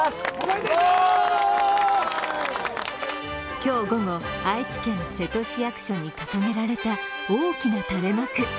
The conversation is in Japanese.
今日午後、愛知県瀬戸市役所に掲げられた、大きな垂れ幕。